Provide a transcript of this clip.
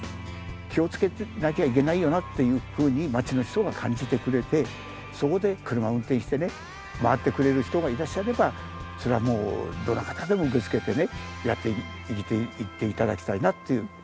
気をつけなきゃいけないよなっていうふうに街の人が感じてくれてそこで車を運転してね回ってくれる人がいらっしゃればそれはもうどんな方でも受け付けてねやっていって頂きたいなっていう。